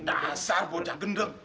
dasar bocah gendeng